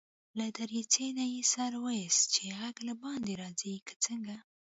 له دريڅې نه يې سر واېست چې غږ له باندي راځي که څنګه.